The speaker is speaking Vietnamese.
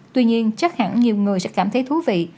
tuy nhiên chắc hẳn nhiều người sẽ cảm thấy thú vị